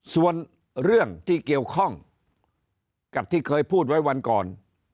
ส่วนเรื่องที่เกี่ยวข้องกับที่เคยพูดไว้วันก่อน